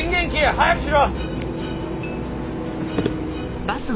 早くしろ！